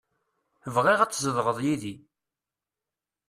Bɣiɣ ad tzedɣeḍ yid-i.